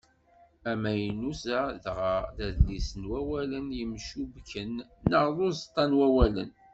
Amaynut-a dɣa, d adlis n wawalen yemcubbken, neɣ n uẓeṭṭa n wawalen.